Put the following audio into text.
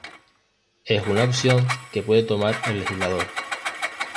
Es una opción que puede tomar el legislador.